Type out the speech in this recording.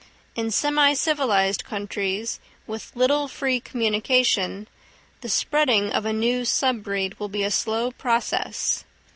In semi civilised countries, with little free communication, the spreading of a new sub breed will be a slow process.